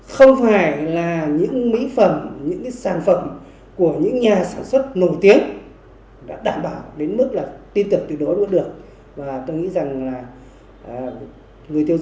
đây là sản phẩm của dior không phải là sản xuất làm giả